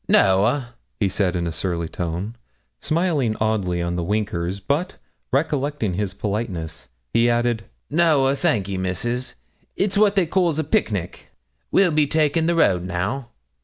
'Noa,' he said in a surly tone, smiling oddly on the winkers, but, recollecting his politeness, he added, 'Noa, thankee, misses, it's what they calls a picnic; we'll be takin' the road now.'